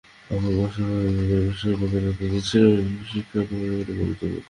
আবুল বশর চৌধুরীর সভাপতিত্বে অনুষ্ঠানে প্রধান অতিথি ছিলেন শিক্ষানুরাগী মনজুর মোর্শেদ।